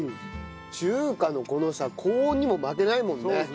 中華のこのさ高温にも負けないもんね。